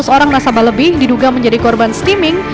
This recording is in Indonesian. seratus orang nasabah lebih diduga menjadi korban skimming